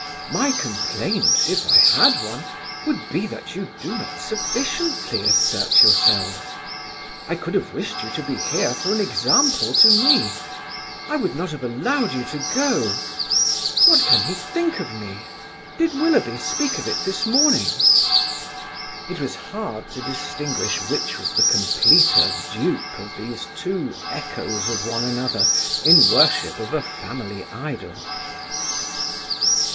My complaint, if I had one, would be, that you do not sufficiently assert yourselves. I could have wished you to be here for an example to me. I would not have allowed you to go. What can he think of me! Did Willoughby speak of it this morning?" It was hard to distinguish which was the completer dupe of these two echoes of one another in worship of a family idol.